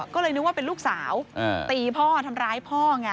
ก็เลยนึกว่าเป็นลูกสาวตีพ่อทำร้ายพ่อไง